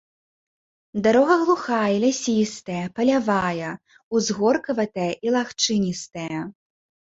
Дарога глухая, лясістая, палявая, узгоркаватая і лагчыністая.